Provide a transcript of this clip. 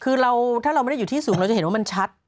คือถ้าเราไม่ได้อยู่ที่สูงเราจะเห็นว่ามันชัด